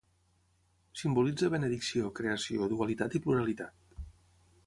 Simbolitza benedicció, creació, dualitat i pluralitat.